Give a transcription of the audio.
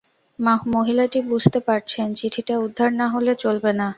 মহিলাটি বুঝতে পারছেন চিঠিটা উদ্ধার না হলে চলবে না।